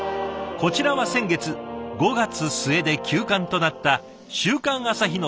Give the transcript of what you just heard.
こちらは先月５月末で休刊となった「週刊朝日」の最終号。